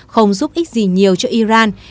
không giúp ích gì nhiều cho iran